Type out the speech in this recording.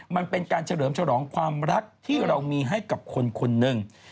มันเป็นการเฉลิมฉลองความรักที่เรามีให้กับคนคนหนึ่ง